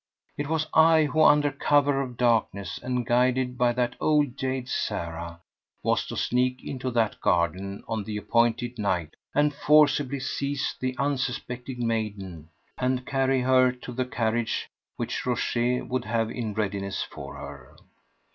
It was I who, under cover of darkness and guided by that old jade Sarah, was to sneak into that garden on the appointed night and forcibly seize the unsuspecting maiden and carry her to the carriage which Rochez would have in readiness for her.